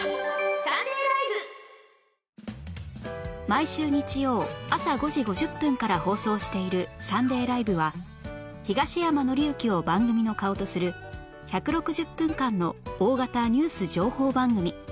毎週日曜朝５時５０分から放送している『サンデー ＬＩＶＥ！！』は東山紀之を番組の顔とする１６０分間の大型ニュース情報番組